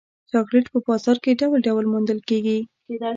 چاکلېټ په بازار کې ډول ډول موندل کېږي.